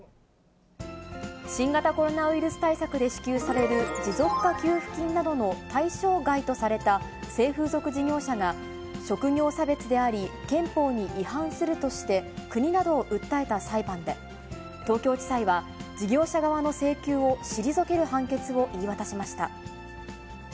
新型コロナウイルス対策で支給される持続化給付金などの対象外とされた性風俗事業者が、職業差別であり、憲法に違反するとして、国などを訴えた裁判で、東京地裁は、事業者側の請求を退ける判決を言い渡しました。